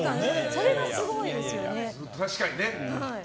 それがすごいですよね。